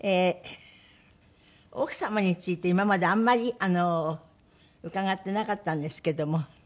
奥様について今まであんまり伺っていなかったんですけども。